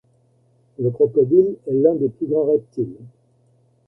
Le crocodile est l'un des plus grands reptiles.